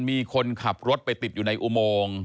มีคนขับรถไปติดอยู่ในอุโมง